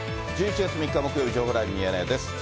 １１月３日木曜日、情報ライブミヤネ屋です。